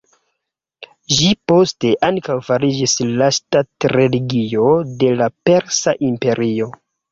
Ĝi poste ankaŭ fariĝis la ŝtat-religio de la Persa imperio.